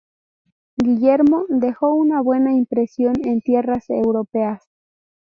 Guillermo dejó una buena impresión en tierras europeas.